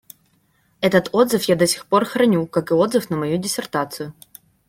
Этот отзыв я до сих пор храню, как и отзыв на мою диссертацию.